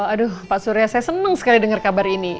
aduh pak surya saya seneng sekali denger kabar ini